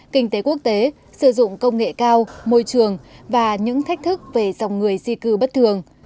kinh tế quốc tế sử dụng công nghệ cao môi trường và những thách thức về dòng người di cư bất thường